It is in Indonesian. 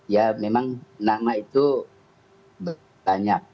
ya memang nama itu banyak